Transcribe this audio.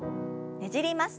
ねじります。